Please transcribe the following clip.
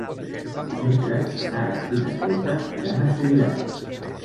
Dimecres na Nara i na Greta iran a Subirats.